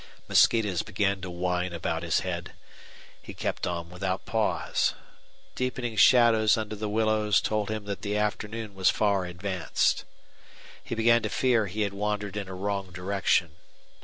Mosquitoes began to whine about his head. He kept on without pause. Deepening shadows under the willows told him that the afternoon was far advanced. He began to fear he had wandered in a wrong direction.